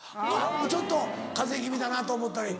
ちょっと風邪気味だなと思ったり。